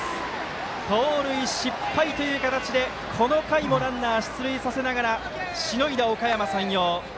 盗塁失敗という形でこの回もランナー出塁させながらしのいだ、おかやま山陽。